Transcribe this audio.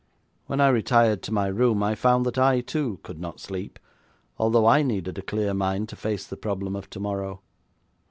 When I retired to my room, I found that I, too, could not sleep, although I needed a clear mind to face the problem of tomorrow.